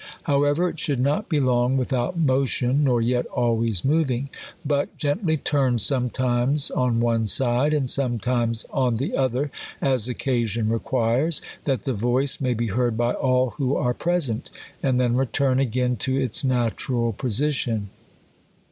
However, it should not be long without motion, nor yet always movmg; but ^enllv turn sometimes on one side, and sometimes on The other, as occasion requires, that the voice may be heard by all who are present; and then return again to its natural position.